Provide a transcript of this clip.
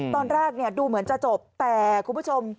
ตอนแรกดูเหมือนจะจบแต่คุณผู้ชม